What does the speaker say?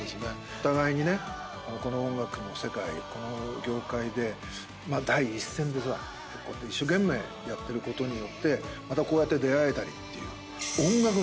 お互いにねこの音楽の世界この業界で第一線でさこうやって一生懸命やってることによってまたこうやって出会えたりっていう。